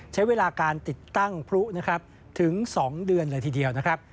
ใช้เวลาการติดตั้งพลุนะครับถึง๒เดือนเลยทีเดียวนะครับ